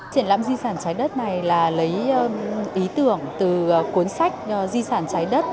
triển lãm di sản trái đất này là lấy ý tưởng từ cuốn sách di sản trái đất